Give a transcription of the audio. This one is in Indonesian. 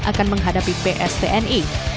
akan menghadapi pstni